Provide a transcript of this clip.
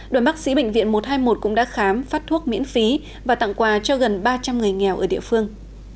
đoàn bác sĩ bệnh viện một trăm hai mươi một cũng đã khám phát thuốc miễn phí và tặng quà cho gần ba trăm linh người nghèo ở địa phương